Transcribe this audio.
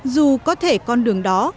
dù có thể con đường đó